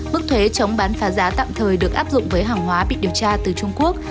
mức thuế chống bán phá giá tạm thời được áp dụng với hàng hóa bị điều tra từ trung quốc